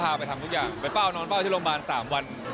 เค้าสังสารอ่ะแต่เค้าก็ไม่กล้ามาขอนักดึง